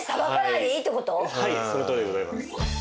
はいそのとおりでございます。